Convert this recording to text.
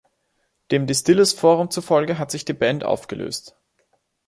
Dem Distillers-Forum zufolge hat sich die Band aufgelöst.